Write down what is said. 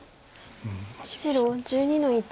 白１２の一。